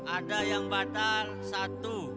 ada yang batal satu